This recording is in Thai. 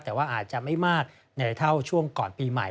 แต่ว่าอาจจะไม่มากในเท่าช่วงก่อนปีใหม่